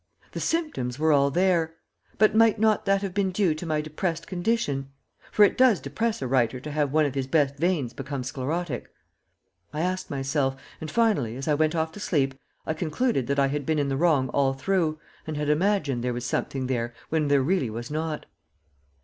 The symptoms were all there, but might not that have been due to my depressed condition for it does depress a writer to have one of his best veins become sclerotic I asked myself, and finally, as I went off to sleep, I concluded that I had been in the wrong all through, and had imagined there was something there when there really was not.